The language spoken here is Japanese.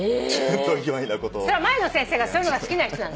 前の先生がそういうのが好きな人なの。